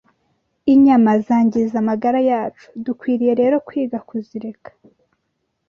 Inyama zangiza amagara yacu, dukwiriye rero kwiga kuzireka